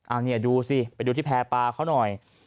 อันนี้ดูสิไปดูที่แพร่ปลาเขาหน่อย